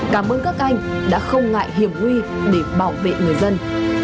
cảm ơn các anh đã không ngại hiểm huy để bảo vệ người dân